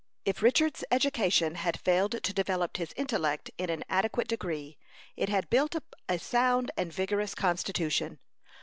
If Richard's education had failed to develop his intellect in an adequate degree, it had built up a sound and vigorous constitution.